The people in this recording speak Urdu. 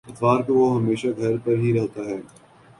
اتوار کو وہ ہمیشہ گھر پر ہی ہوتا ہے۔